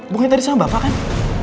bukannya tadi sama bapak kan